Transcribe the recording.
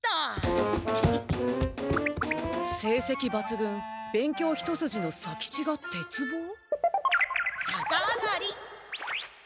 成績ばつぐん勉強ひとすじの左吉がてつぼう？さか上がり。